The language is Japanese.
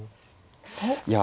いや。